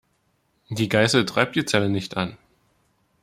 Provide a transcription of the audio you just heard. Die Geißel treibt die Zelle nicht an.